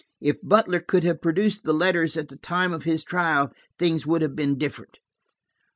If Butler could have produced the letters at the time of his trial, things would have been different."